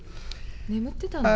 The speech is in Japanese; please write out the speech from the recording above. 眠ってたの？